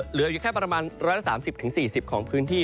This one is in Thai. เหลืออยู่แค่ประมาณ๑๓๐๔๐ของพื้นที่